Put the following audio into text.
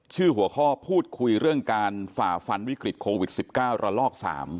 หัวข้อพูดคุยเรื่องการฝ่าฟันวิกฤตโควิด๑๙ระลอก๓